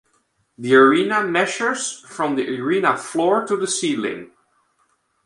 The arena measures from the arena floor to the ceiling.